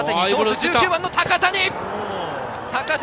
１９番・高谷。